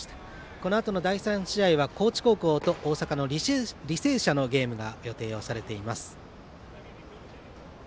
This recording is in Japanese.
このあとの第３試合は高知高校と大阪の履正社のゲームが予定されています。